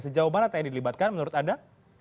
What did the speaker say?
sejauh mana tni dilibatkan menurut anda